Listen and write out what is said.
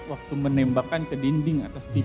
waktu menembakkan ke dinding atas tv itu